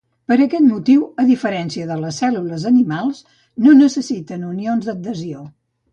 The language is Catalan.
Per aquest motiu, a diferència de les cèl·lules animals, no necessiten unions d'adhesió.